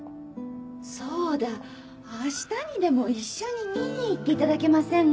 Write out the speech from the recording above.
そうだ明日にでも一緒に見に行っていただけません？